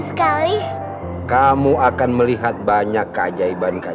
jangan lupa untuk berikan duit